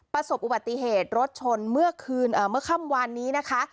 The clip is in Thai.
ประสบอุบัติเหตุรถชนเมื่อคืนเมื่อค่ำวานนี้นะคะ